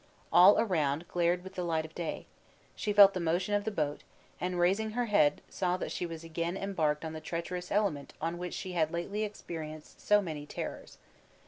All around glared with the light of day; she felt the motion of the boat, and raising her head, saw that she was again embarked on the treacherous element on which she had lately experienced so many terrors.